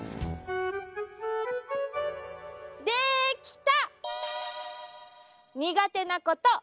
できた！